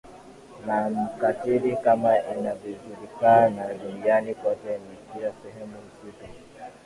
na mkatili kama inavyojulikana duniani kote na kila Sehemu husika